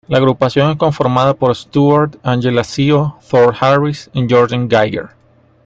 La agrupación es conformada por Stewart, Angela Seo, Thor Harris, y Jordan Geiger.